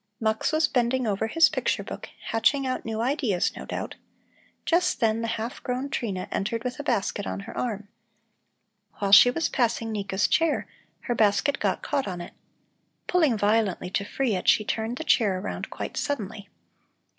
Mux was bending over his picture book, hatching out new ideas, no doubt. Just then the half grown Trina entered with a basket on her arm. While she was passing Nika's chair, her basket got caught on it. Pulling violently to free it, she turned the chair around quite suddenly.